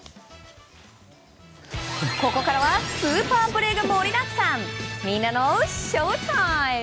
ここからはスーパープレーが盛りだくさんみんなのＳＨＯＷＴＩＭＥ！